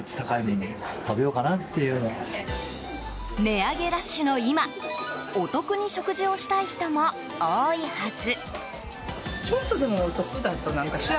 値上げラッシュの今、お得に食事をしたい人も多いはず。